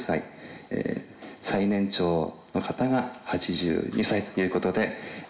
最年長の方が８２歳ということで。